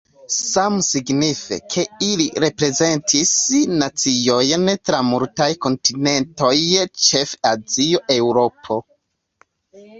Same signife, ke ili reprezentis naciojn tra multaj kontinentoj, ĉefe Azio, Eŭropo.